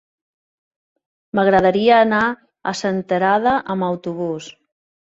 M'agradaria anar a Senterada amb autobús.